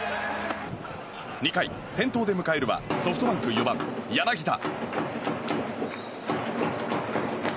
２回、先頭で迎えるはソフトバンク４番、柳田。